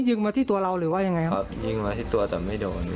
เข้ามากี่คนครับ